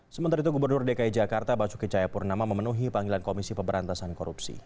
sementara itu gubernur dki jakarta basuki cahayapurnama memenuhi panggilan komisi pemberantasan korupsi